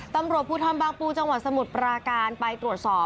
ตำรวจภูทรบางปูจังหวัดสมุทรปราการไปตรวจสอบ